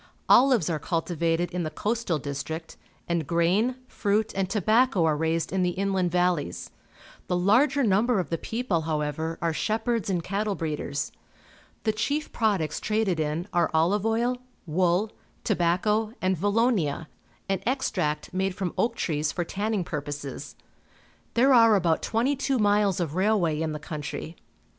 Olives are cultivated in the coastal district, and grain, fruit, and tobacco are raised in the inland valleys. The larger number of the people, however, are shepherds and cattle breeders. The chief products traded in are olive oil, wool, tobacco, and valonia — an extract made from oak trees for tanning purposes. There are about twenty two miles of railway in the country.